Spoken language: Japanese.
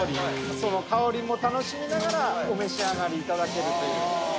その香りも楽しみながらお召し上がりいただけるという。